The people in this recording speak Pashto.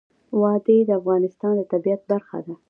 وادي د افغانستان د طبیعت برخه ده.